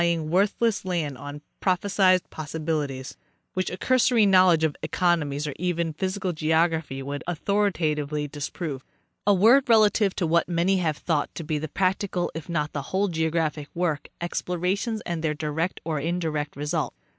207 ing worthless land on prophesied possibilities, which a cursory knowledge of economics or even physical geography would au thoritatively disprove. A word relative to what many have thought to be the prac tical if not the whole of geographic work, explorations and their direct or indirect result.